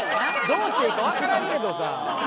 どうしようかわからんけどさ。